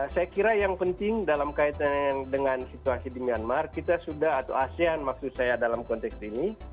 saya kira yang penting dalam kaitan dengan situasi di myanmar kita sudah atau asean maksud saya dalam konteks ini